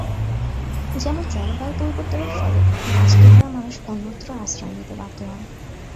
যেমন জলবায়ু পরিবর্তনের ফলে বাস্তুহারা মানুষ অন্যত্র আশ্রয় নিতে বাধ্য হয়।